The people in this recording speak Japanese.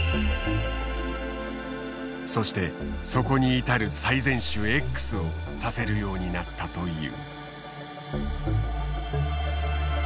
そしてそこに至る最善手Ｘを指せるようになったという。